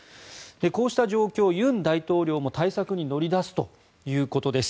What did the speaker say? こうした状況、尹大統領も対策に乗り出すということです。